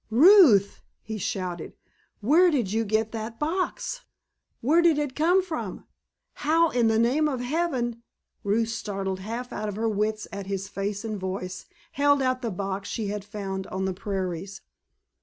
"Ruth!" he shouted, "where did you get that box? Where did it come from? How in the name of heaven——" Ruth, startled half out of her wits at his face and voice, held out the box she had found on the prairies.